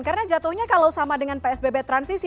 karena jatuhnya kalau sama dengan psbb transisi